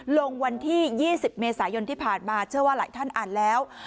วันที่๒๐เมษายนที่ผ่านมาเชื่อว่าหลายท่านอ่านแล้ว